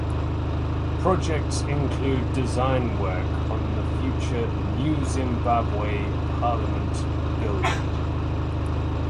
Projects include design work on the future New Zimbabwe Parliament Building.